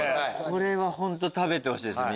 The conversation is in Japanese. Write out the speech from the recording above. これは本当食べてほしいです